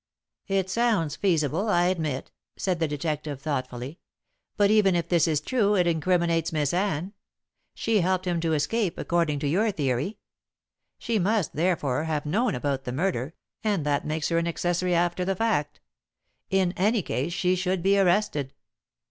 "It sounds feasible, I admit," said the detective thoughtfully; "but even if this is true, it incriminates Miss Anne. She helped him to escape, according to your theory. She must, therefore, have known about the murder, and that makes her an accessory after the fact. In any case she should be arrested."